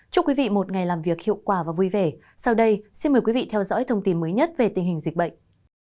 chúc quý vị một ngày làm việc hiệu quả và vui vẻ sau đây xin mời quý vị theo dõi thông tin mới nhất về tình hình dịch bệnh